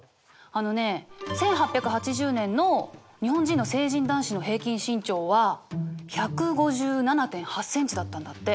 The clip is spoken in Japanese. あのね１８８０年の日本人の成人男子の平均身長は１５７．８ｃｍだったんだって。